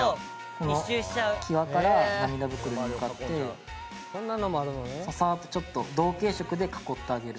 この際から涙袋に向かってササッてちょっと同系色で囲ってあげる。